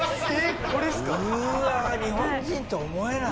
うわあ日本人と思えない。